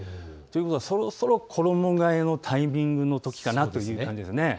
そろそろ衣がえのタイミングのときかなという感じです。